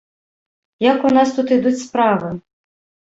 Як у нас тут ідуць справы?